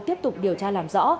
tiếp tục điều tra làm rõ